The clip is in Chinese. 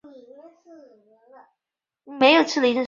仁寿三年。